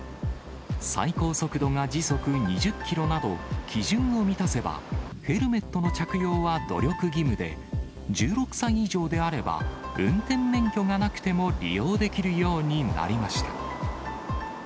最高速度が時速２０キロなど、基準を満たせばヘルメットの着用は努力義務で、１６歳以上であれば運転免許がなくても利用できるようになりました。